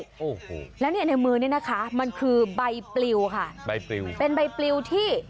โอ้โหและนี่ในมือนี้นะคะมันคือใบปลิวค่ะเป็นใบปลิวที่